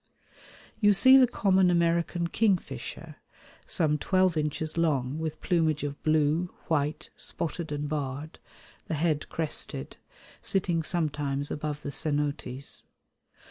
You see the common American kingfisher, some twelve inches long with plumage of blue, white, spotted and barred, the head crested, sitting sometimes above the cenotes.